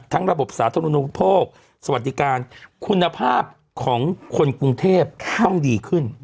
ระบบสาธารณูปโภคสวัสดิการคุณภาพของคนกรุงเทพต้องดีขึ้น